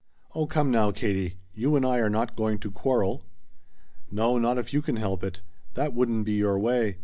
"Oh come now, Katie, you and I are not going to quarrel." "No, not if you can help it. That wouldn't be your way.